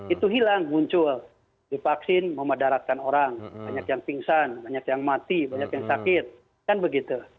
itu hilang muncul di vaksin memadaratkan orang banyak yang pingsan banyak yang mati banyak yang sakit kan begitu